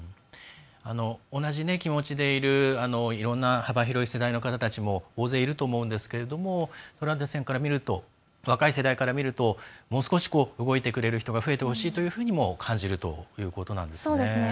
同じ気持ちでいるいろんな幅広い世代の方たちも大勢いると思うんですけれどもトラウデンさんから見ると若い世代から見るともう少し動いてくれる人が増えてほしいとも感じるということなんですね。